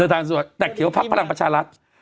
เดินทางสวัสดิภาพแดกเขียวภาพพลังประชารัฐ